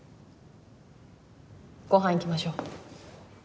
ご飯行きましょう。